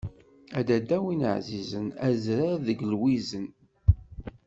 A dadda win ɛzizen, azrar deg lwizen.